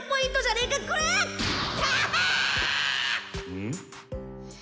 うん？